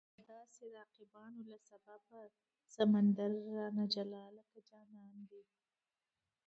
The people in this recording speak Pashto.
د دا هسې رقیبانو له سببه، سمندر رانه جلا لکه جانان دی